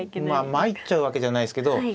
まあ参っちゃうわけじゃないですけど。